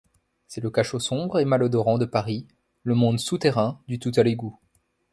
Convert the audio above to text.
C'est le cachot sombre et malodorant de Paris, le monde souterrain du tout-à-l’égout.